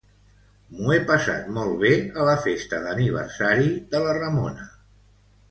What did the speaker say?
M'ho he passat molt bé a la festa d'aniversari de la Ramona.